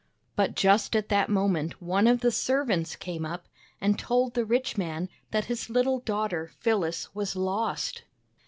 But just at that moment one of the servants came up and told the rich man that his little daughter Phyllis was lost.